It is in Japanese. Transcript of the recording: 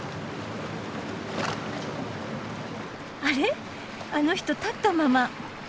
あれあの人立ったまま。